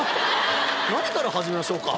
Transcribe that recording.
何から始めましょうか？